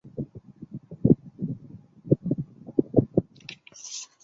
এই সব কেন্দ্র দেশ-বিদেশের বহু মানুষ পরিদর্শন করে।